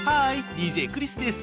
ＤＪクリスです。